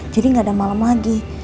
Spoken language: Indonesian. jadi gak ada malam lagi